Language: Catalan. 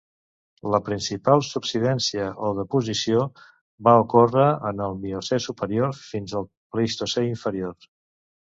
La principal subsidència i deposició va ocórrer en el Miocè superior fins al Plistocè inferior.